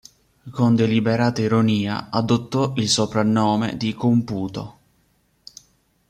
Con deliberata ironia, adottò il soprannome di Computo.